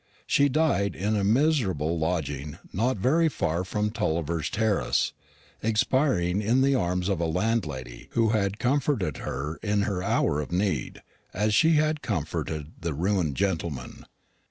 She died in a miserable lodging not very far from Tulliver's terrace, expiring in the arms of a landlady who had comforted her in her hour of need, as she had comforted the ruined gentleman.